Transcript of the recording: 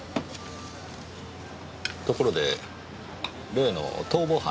ところで例の逃亡犯ですが。